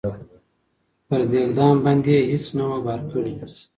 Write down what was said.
پر دېګدان باندي یې هیڅ نه وه بار کړي